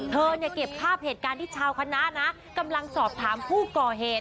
เธอเนี่ยเก็บภาพเหตุการณ์ที่ชาวคณะนะกำลังสอบถามผู้ก่อเหตุ